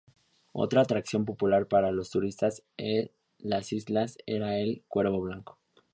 Otra atracción popular para los turistas en las islas era el "Cuervo Blanco".